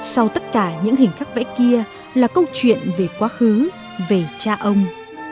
sau tất cả những hình khắc vẽ kia là câu chuyện về quá khứ về cha ông